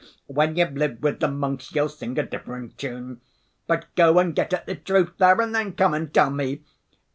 When you've lived with the monks you'll sing a different tune. But go and get at the truth there, and then come and tell me.